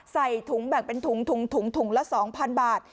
ใส่ถุงแบ่งเป็นถุงถุงละ๒๐๐บาท